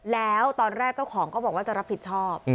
แล้วตอนแรกเจ้าของก็บอกว่าจะรับผิดชอบ